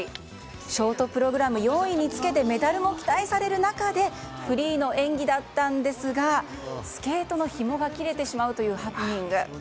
ショートプログラム４位につけてメダルも期待される中でのフリーの演技だったんですがスケートのひもが切れてしまうというハプニング。